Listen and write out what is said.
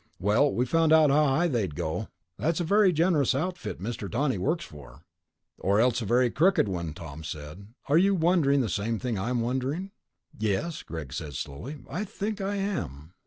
"Well, we found out how high they'd go. That's a very generous outfit Mr. Tawney works for." "Or else a very crooked one," Tom said. "Are you wondering the same thing I'm wondering?" "Yes," Greg said slowly. "I think I am."